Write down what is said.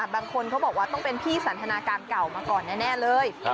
บางคนเขาบอกว่าต้องเป็นพี่สันทนาการเก่ามาก่อนแน่เลย